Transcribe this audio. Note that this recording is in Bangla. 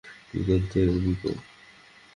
দুর্দান্ত, এমিকো!